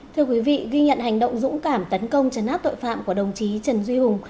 thưa quý vị ghi nhận hành động dũng cảm tấn công chấn áp tội phạm của đồng chí trần duy hùng